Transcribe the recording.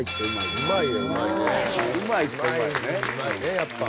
うまいねやっぱ。